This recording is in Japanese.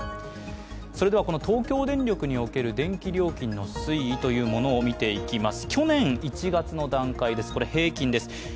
この東京電力における電気料金の推移を見ていきます。